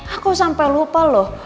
aku sampe lupa loh